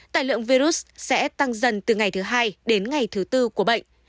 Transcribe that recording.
tài lượng virus sẽ tăng dần từ ngày thứ hai đến ngày thứ tư của bệnh